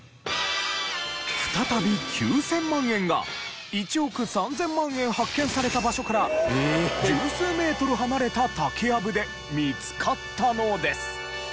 再び９０００万円が１億３０００万円発見された場所から十数メートル離れた竹やぶで見つかったのです。